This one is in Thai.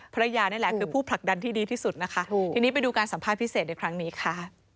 ภรรยานี่แหละคือผู้ผลักดันที่ดีที่สุดนะคะทีนี้ไปดูการสัมภาษณ์พิเศษในครั้งนี้ค่ะ